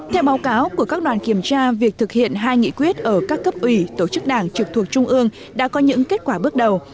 theo báo cáo của các đoàn kiểm tra việc thực hiện hai nghị quyết ở các cấp ủy tổ chức đảng trực thuộc trung ương đã có những kết quả bước đầu